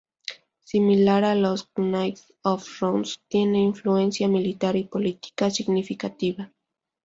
Similar a los "Knight of Rounds", tienen influencia militar y política significativa.